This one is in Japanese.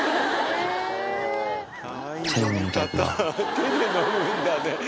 手で飲むんだね。